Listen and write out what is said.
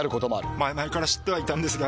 前々から知ってはいたんですが。